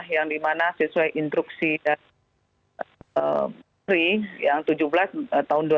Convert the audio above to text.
yang dimana sesuai instruksi dari polri yang tujuh belas tahun dua ribu dua